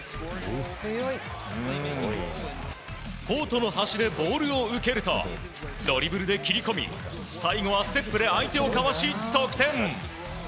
コートの端でボールを受けるとドリブルで切り込み、最後はステップで相手をかわし得点。